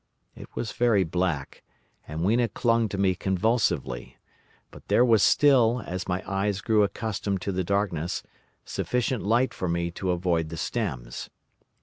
It was very black, and Weena clung to me convulsively, but there was still, as my eyes grew accustomed to the darkness, sufficient light for me to avoid the stems.